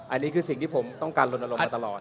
อันนี้คือสิ่งที่ผมต้องการลนลงมาตลอด